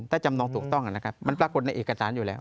ถ้าจำนองถูกต้องนะครับมันปรากฏในเอกสารอยู่แล้ว